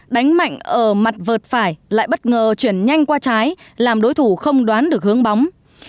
đánh mạnh ở mặt vợt phải lại bất ngờ chuyển nhanh qua trái làm đối thủ không đoán được hướng bóng